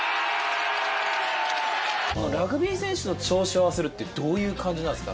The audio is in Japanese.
ラグビー選手調子を合わせるってどういう感じなんですか？